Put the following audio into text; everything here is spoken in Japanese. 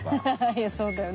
いやそうだよね。